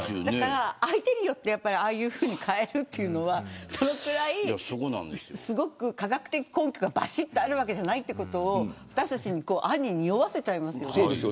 相手によって、ああいうふうに変えるというのは科学的根拠が、ばしっとあるわけじゃないということを私たちに暗に、におわせちゃいますよね。